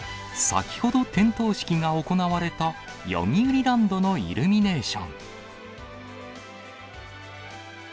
先ほど、点灯式が行われた、よみうりランドのイルミネーション。